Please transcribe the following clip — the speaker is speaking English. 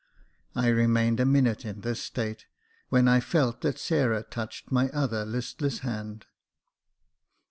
I remained a minute in this state, when I felt that Sarah touched my other list less hand.